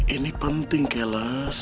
ini penting kelas